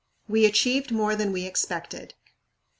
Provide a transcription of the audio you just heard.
We achieved more than we expected.